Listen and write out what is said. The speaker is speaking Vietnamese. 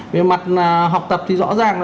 về mặt học tập thì rõ ràng